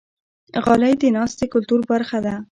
غالۍ د ناستې کلتور برخه ده.